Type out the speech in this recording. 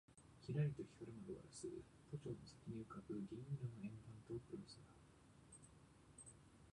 キラリと光る窓ガラス、都庁の先に浮ぶ銀色の円盤と黒い空